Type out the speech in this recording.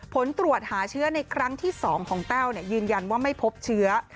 ผลตรวจหาเชื้อในครั้งที่๒ของแต้วยืนยันว่าไม่พบเชื้อ